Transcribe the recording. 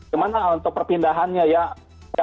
gimana untuk perpindahannya ya